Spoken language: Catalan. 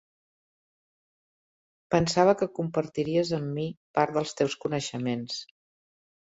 Pensava que compartiries amb mi part dels teus coneixements.